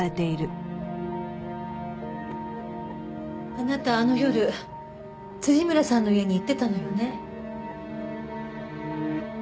あなたあの夜村さんの家に行ってたのよね？